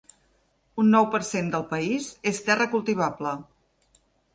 Un nou per cent del país és terra cultivable.